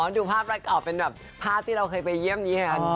ดูภาพร้าดกล่าวเป็นภาพที่เราเคยไปเยี่ยมนี้แล้วยัง